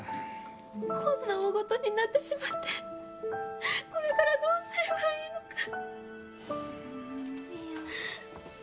こんなおおごとになってしまってこれからどうすればいいのか。